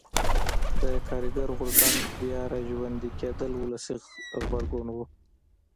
د کارګر غورځنګ بیا را ژوندي کېدل ولسي غبرګون و.